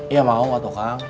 iya mau kok toh kang